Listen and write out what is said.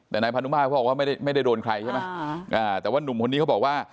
แต่นายพานุมาตรเขาบอกว่าไม่ได้ไม่ได้โดนใครใช่ไหมแต่ว่านุ่มคนนี้เขาบอกว่า